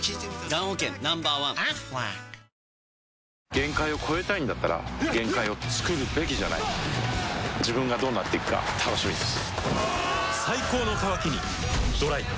限界を越えたいんだったら限界をつくるべきじゃない自分がどうなっていくか楽しみです